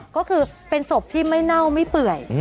ก็คือเป็นศพที่ไม่เน่าไม่เปื่อย